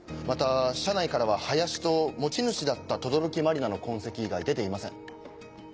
また車内からは林と持ち主だった等々力茉莉奈の痕跡以外出ていません。